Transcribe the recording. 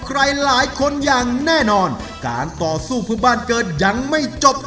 หลายคนอย่างแน่นอนการต่อสู้เพื่อบ้านเกิดยังไม่จบ